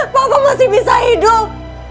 papa masih bisa hidup